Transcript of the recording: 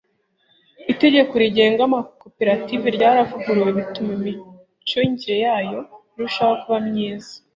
itegeko rigenga amakoperative ryaravuguruwe bituma imicungire yayo irushaho kuba myiza